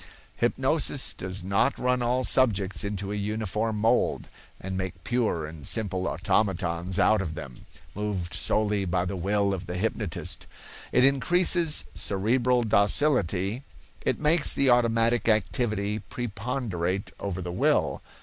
Hypnosis does not run all subjects into a uniform mold, and make pure and simple automatons out of them, moved solely by the will of the hypnotist; it increases cerebral docility; it makes the automatic activity preponderate over the will.